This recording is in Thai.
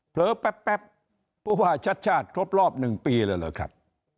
เผลอแป๊บผู้ว่าชัดครบรอบ๑ปีเลยหรือครับ